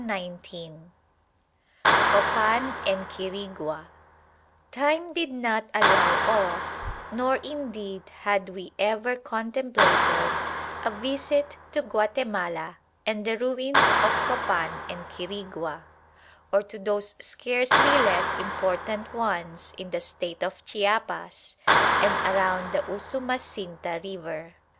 CHAPTER XII COPAN AND QUIRIGUA Time did not allow of, nor indeed had we ever contemplated, a visit to Guatemala and the ruins of Copan and Quirigua, or to those scarcely less important ones in the State of Chiapas and around the Usumacinta River.